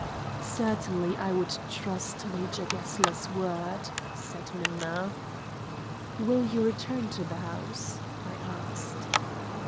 "Certainly I would trust Major Gessler's word," said Minna. "Will you return to the house?" I asked.